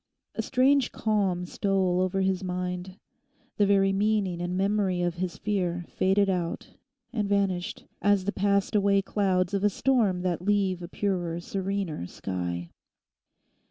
A strange calm stole over his mind. The very meaning and memory of his fear faded out and vanished, as the passed away clouds of a storm that leave a purer, serener sky.